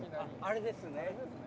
あれですね。